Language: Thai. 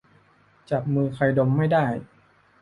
จับมือใครดมไม่ได้